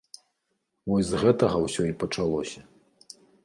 Вось з гэтага ўсё і пачалося.